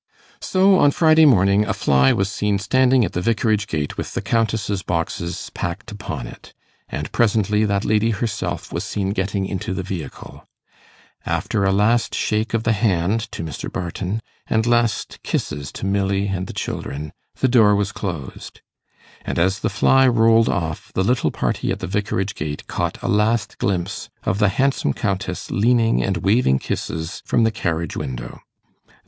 So, on Friday morning, a fly was seen standing at the Vicarage gate with the Countess's boxes packed upon it; and presently that lady herself was seen getting into the vehicle. After a last shake of the hand to Mr. Barton, and last kisses to Milly and the children, the door was closed; and as the fly rolled off, the little party at the Vicarage gate caught a last glimpse of the handsome Countess leaning and waving kisses from the carriage window.